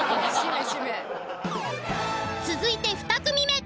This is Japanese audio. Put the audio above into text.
続いて２組目。